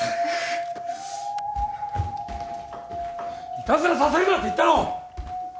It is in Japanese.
いたずらさせるなって言ったろ！